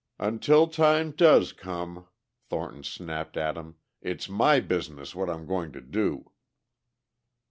"Until time does come," Thornton snapped at him, "it's my business what I'm going to do."